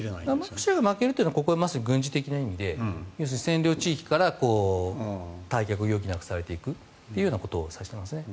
ロシアが負けるというのは軍事的な意味で要するに占領地域から退却を余儀なくされるということを指していますね。